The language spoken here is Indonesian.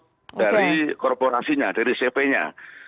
oke dari korporasinya dari cv nya